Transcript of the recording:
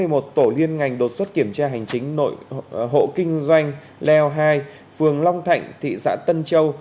một tổ liên ngành đột xuất kiểm tra hành chính hộ kinh doanh leo hai phường long thạnh thị xã tân châu